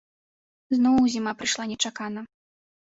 Зноў зіма прыйшла нечакана.